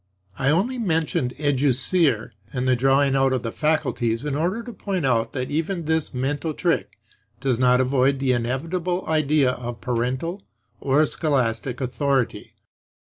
I only mentioned educere and the drawing out of the faculties in order to point out that even this mental trick does not avoid the inevitable idea of parental or scholastic authority.